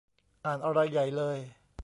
อ่านอะไรใหญ่เลย